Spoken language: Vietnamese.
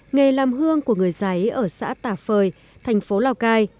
nghề làm hương của người giấy ở xã tà phời thành phố lào cai